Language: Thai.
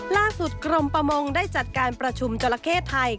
กรมประมงได้จัดการประชุมจราเข้ไทย